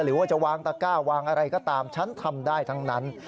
หรือว่าจะวางตะก้าวางอะไรก็ตามฉันทำได้ทั้งนั้น